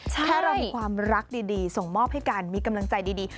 ถ้าเรามีความรักดีส่งมอบให้กันมีกำลังใจดี